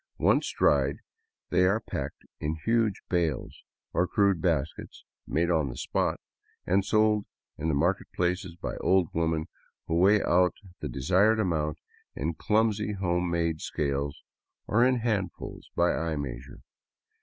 Once dried, they are packed in huge bales, or crude baskets made on the spot, and sold in the marketplaces by old women who weigh out the desired amount in clumsy home made scales, or in handfuls by eye measure.